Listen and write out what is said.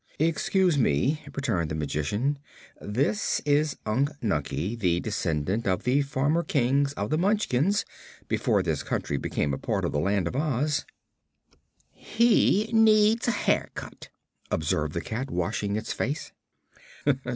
"Excuse me," returned the Magician. "This is Unc Nunkie, the descendant of the former kings of the Munchkins, before this country became a part of the Land of Oz." "He needs a haircut," observed the cat, washing its face.